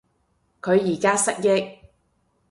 佢而家失憶